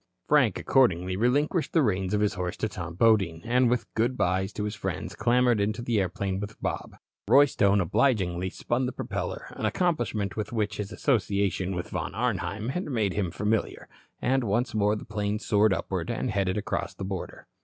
Frank, accordingly, relinquished the reins of his horse to Tom Bodine, and with "good byes" to his friends clambered into the airplane with Bob. Roy Stone obligingly spun the propeller, an accomplishment with which his association with Von Arnheim had made him familiar, and once more the plane soared upward and headed across the border.